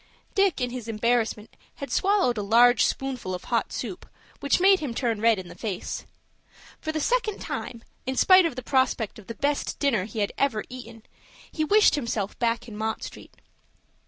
Dick in his embarrassment had swallowed a large spoonful of hot soup, which made him turn red in the face. For the second time, in spite of the prospect of the best dinner he had ever eaten, he wished himself back in Mott Street.